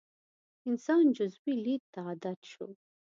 انسان جزوي لید ته عادت شو.